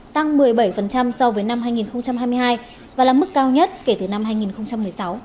tăng một mươi bảy so với năm hai nghìn hai mươi hai và là mức cao nhất kể từ năm hai nghìn một mươi sáu